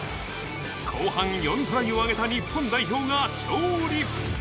後半４トライを挙げた日本代表が勝利！